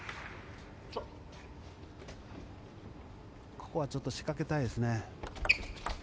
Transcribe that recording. ここはちょっと仕掛けたいですね。